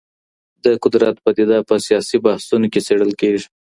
د قدرت پدیده په سیاسي بحثونو کې څېړل کیږي.